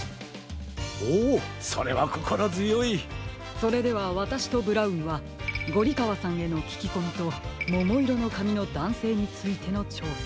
それではわたしとブラウンはゴリかわさんへのききこみとももいろのかみのだんせいについてのちょうさ。